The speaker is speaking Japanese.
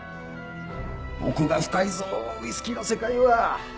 奥が深いぞウイスキーの世界は。